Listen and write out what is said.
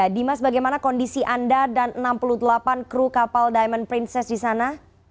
dimas bagaimana kondisi anda dan enam puluh delapan kru kapal diamond princess di sana